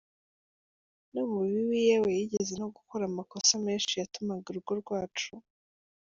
no mu bibi, yewe yigeze no gukora amakosa menshi yatumaga urugo rwacu.